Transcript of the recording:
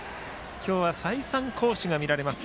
今日は再三好守が見られます